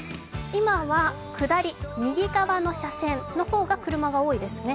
今は下り、右側の車線の方が車が多いですね。